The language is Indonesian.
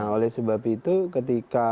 oleh sebab itu ketika